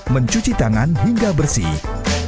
mencuci tangan hingga bersih